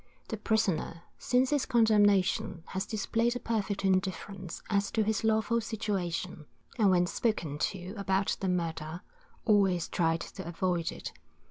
The prisoner, since his condemnation, has displayed a perfect indifference as to his awful situation, and when spoken to about the murder, always tried to avoid it.